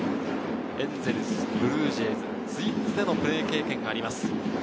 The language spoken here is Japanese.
エンゼルス、ブルージェイズ、ツインズでのプレー経験があります。